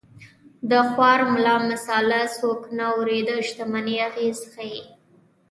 د خوار ملا مساله څوک نه اوري د شتمنۍ اغېز ښيي